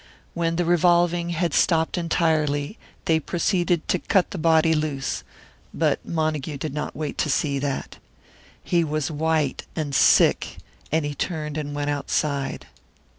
When the revolving had stopped entirely, they proceeded to cut the body loose; but Montague did not wait to see that. He was white and sick, and he turned and went outside.